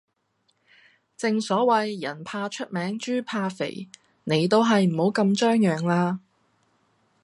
正所謂，人怕出名豬怕肥，你都係唔好咁張揚啦